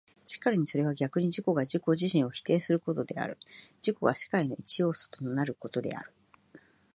然るにそれは逆に自己が自己自身を否定することである、自己が世界の一要素となることである。